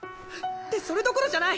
ってそれどころじゃない。